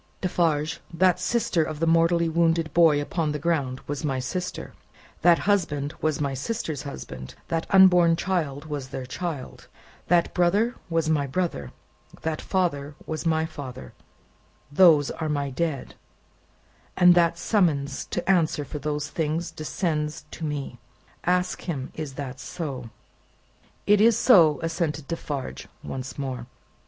Defarge, that sister of the mortally wounded boy upon the ground was my sister, that husband was my sister's husband, that unborn child was their child, that brother was my brother, that father was my father, those dead are my dead, and that summons to answer for those things descends to me!' Ask him, is that so." "It is so," assented Defarge once more.